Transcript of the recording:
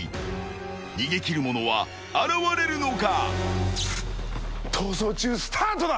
逃げ切るものは現れるのか。